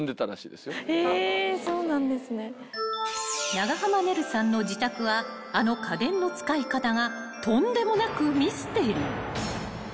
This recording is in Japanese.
［長濱ねるさんの自宅はあの家電の使い方がとんでもなくミステリー］